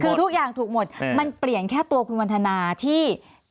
คือทุกอย่างถูกหมดมันเปลี่ยนแค่ตัวคุณวันทนาที่